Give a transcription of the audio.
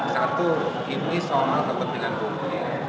satu ini soal kepentingan publik